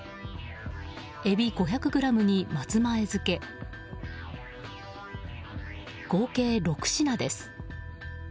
エビ５００ｇに松前漬け合計６品です。